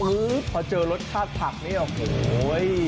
พอเจอรสชาติผักนี่โอ้โห